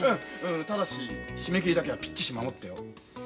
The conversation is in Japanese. ただし締め切りだけはピッチシ守ってよ。